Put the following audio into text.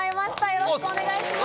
よろしくお願いします。